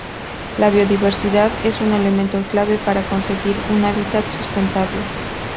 La biodiversidad es un elemento clave para conseguir un hábitat sustentable.